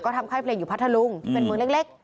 ก็ทำไข้เพลงอยู่พระทะลุงเป็นเมืองเล็ก